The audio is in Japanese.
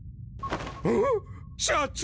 あぁ⁉社長！